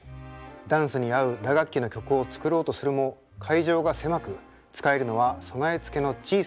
ダンスに合う打楽器の曲を作ろうとするも会場が狭く使えるのは備え付けの小さなピアノだけでした。